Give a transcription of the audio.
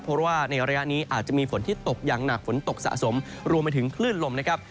เพราะว่าในระยะนี้อาจจะมีฝนที่ตกอย่างหนักฝนตกสะสมรวมไปถึงคลื่นลมนะครับ